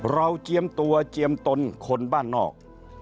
เจียมตัวเจียมตนคนบ้านนอก